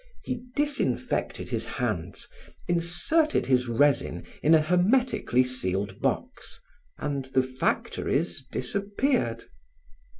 He disinfected his hands, inserted his resin in a hermetically sealed box, and the factories disappeared.